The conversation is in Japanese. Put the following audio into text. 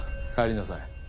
帰りなさい。